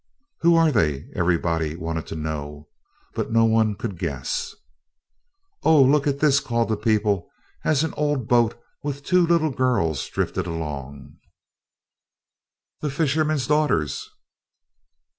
"Who are they?" everybody wanted to know. But no one could guess. "Oh, look at this!" called the people, as an old boat with two little girls drifted along. The Fisherman's Daughters!